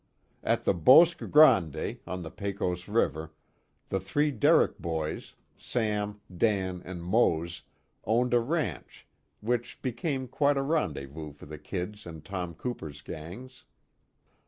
At the Bosque Grande, on the Pecos river, the three Dedrick boys, Sam, Dan, and Mose, owned a ranch, which became quite a rendezvous for the "Kid's" and Tom Cooper's gangs.